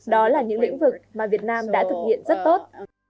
đó là những lĩnh vực mà việt nam đã thực hiện rất tốt